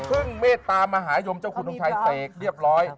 คือเมตตามหายมเจ้าขุนงค์ชายเสกเรียบร้อย